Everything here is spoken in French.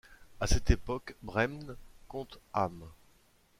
À cette époque, Bremnes compte âmes.